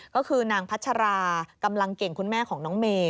ก็คือนางพัชรากำลังเก่งคุณแม่ของน้องเมย์